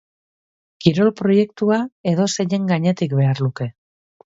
Kirol proiektua edozeinen gainetik behar luke.